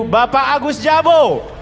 bapak agus jabo